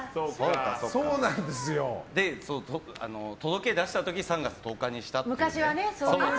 届けを出した時に３月１０日にしたって。